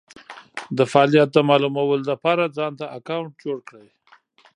دفعالیت د مالومولو دپاره ځانته اکونټ جوړ کړی